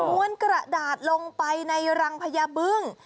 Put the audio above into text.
้วนกระดาษลงไปในรังพญาบึ้ง